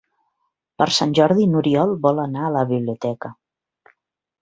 Per Sant Jordi n'Oriol vol anar a la biblioteca.